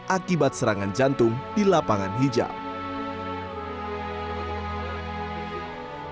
akibat serangan jantung di lapangan hijau